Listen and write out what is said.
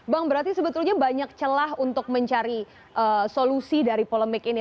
bang berarti sebetulnya banyak celah untuk mencari solusi dari polemik ini